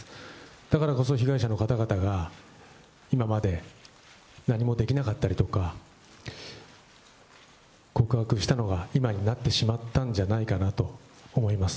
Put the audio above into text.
だからこそ、被害者の方々が今まで何もできなかったりとか、告白したのが今になってしまったんじゃないかなと思います。